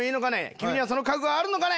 君にはその覚悟があるのかね！」。